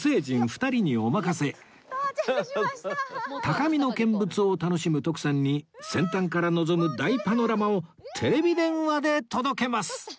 高みの見物を楽しむ徳さんに先端から望む大パノラマをテレビ電話で届けます